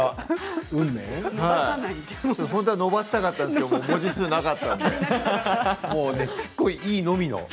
本当は最後伸ばしたかったんですけれど文字数が足りなかった。